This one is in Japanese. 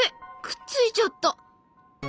くっついちゃった。